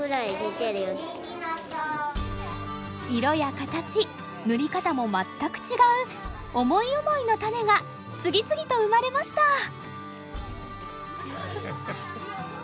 色や形塗り方も全く違う思い思いの種が次々と生まれました！